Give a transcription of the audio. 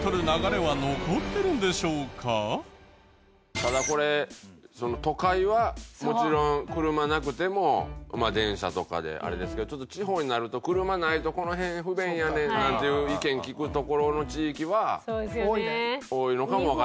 ただこれ都会はもちろん車なくても電車とかであれですけど地方になると車ないとこの辺不便やねんなんていう意見聞く所の地域は多いのかもわからない。